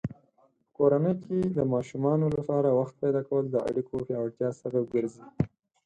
په کورنۍ کې د ماشومانو لپاره وخت پیدا کول د اړیکو پیاوړتیا سبب ګرځي.